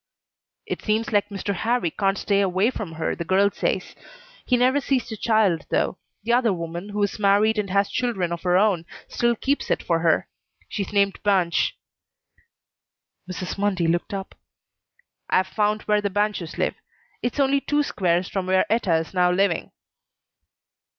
"It seems like Mr. Harrie can't stay away from her, the girl says. He never sees the child, though. The other woman, who's married and has children of her own, still keeps it for her. She's named Banch." Mrs. Mundy looked up. "I've found where the Banches live. It's only two squares from where Etta is now living."